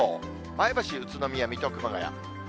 前橋、宇都宮、水戸、熊谷。